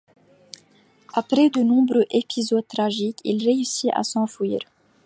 Après de nombreux épisodes tragiques, il réussit à s'enfuir.